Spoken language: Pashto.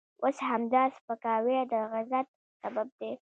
اوس همدا سپکاوی د عزت سبب دی.